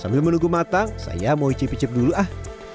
sambil menunggu matang saya mau icip icip dulu ah